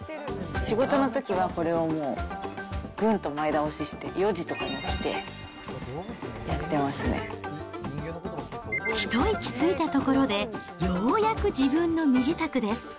仕事のときは、これをもう、ぐんと前倒しして、４時とかに起きて一息ついたところで、ようやく自分の身支度です。